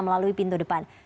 melalui pintu depan